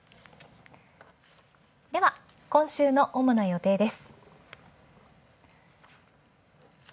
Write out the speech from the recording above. では、今週の主な予定です。